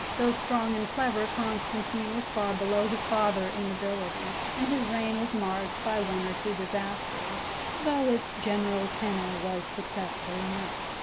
Though strong and clever, Constantine was far below his father in ability, and his reign was marked by one or two disasters, though its general tenor was successful enough.